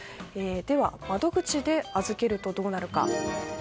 では窓口で預けるとどうなるか。